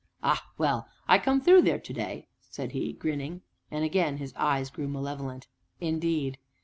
"Ah, well! I come through there today," said he, grinning, and again his eyes grew malevolent. "Indeed?"